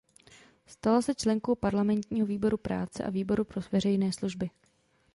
Stala se členkou parlamentního výboru práce a výboru pro veřejné služby.